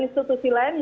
itu kita sudah memanggil